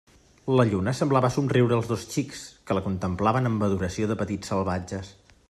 La lluna semblava somriure als dos xics, que la contemplaven amb adoració de petits salvatges.